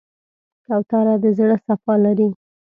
کوتره د زړه صفا لري.